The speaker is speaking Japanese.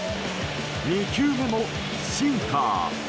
２球目もシンカー。